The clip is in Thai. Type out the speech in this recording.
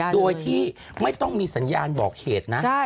โดยที่ไม่ต้องมีสัญญาณบอกเหตุนะ